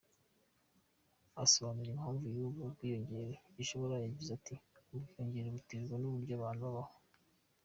Asobanura impamvu y’ubu bwiyongere, Gishoma yagize, ati “Ubwiyongere buterwa n’uburyo abantu babaho.